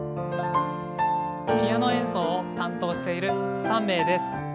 ピアノ演奏を担当している３名です。